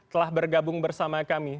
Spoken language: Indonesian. telah bergabung bersama kami